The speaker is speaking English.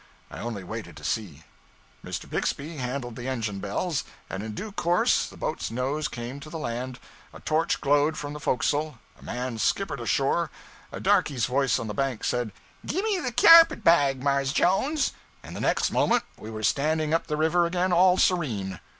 I only waited to see. Mr. Bixby handled the engine bells, and in due time the boat's nose came to the land, a torch glowed from the forecastle, a man skipped ashore, a darky's voice on the bank said, 'Gimme de k'yarpet bag, Mars' Jones,' and the next moment we were standing up the river again, all serene.